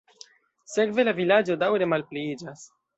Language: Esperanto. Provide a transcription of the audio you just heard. Sekve la vilaĝo daŭre malpliiĝas.